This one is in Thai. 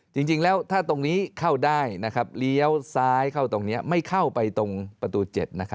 จริงแล้วถ้าตรงนี้เข้าได้เลี้ยวซ้ายเข้าตรงนี้ไม่เข้าไปตรงประตู๗